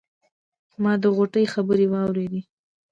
ما د غوټۍ خبرې واورېدې.